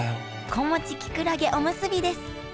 子持ちきくらげおむすびですわ